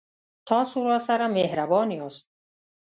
تاسو راسره مهربان یاست